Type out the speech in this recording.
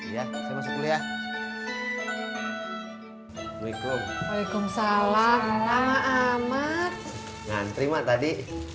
ya sama sekali ya waalaikumsalam lama lama nganterima tadi